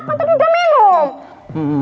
kamu tidak minum